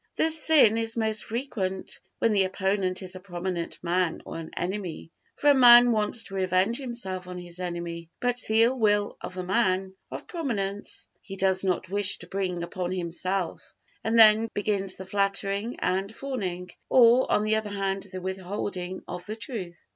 This sin is most frequent when the opponent is a prominent man or an enemy. For a man wants to revenge himself on his enemy: but the ill will of a man of prominence he does not wish to bring upon himself; and then begins the flattering and fawning, or, on the other hand, the withholding of the truth.